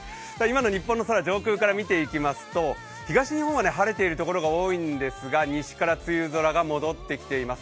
今の日本の空、上空から見ていきますと東日本は晴れているところが多いんですが、西から梅雨空が戻ってきています。